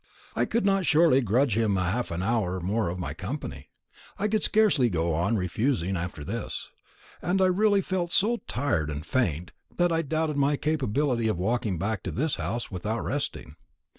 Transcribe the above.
I could not surely grudge him half an hour more of my company. I could scarcely go on refusing after this; and I really felt so tired and faint, that I doubted my capability of walking back to this house without resting.